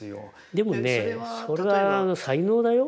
でもねそれは才能だよ。